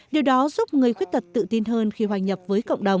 điều đó giúp người khuyết tật tự tin hơn khi hoàn nhập với cộng đồng